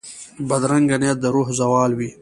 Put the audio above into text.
بدرنګه نیت د روح زوال وي